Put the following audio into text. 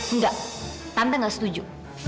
enggak tante nggak setuju